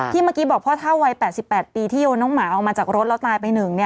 เมื่อกี้บอกพ่อเท่าวัย๘๘ปีที่โยนน้องหมาออกมาจากรถแล้วตายไป๑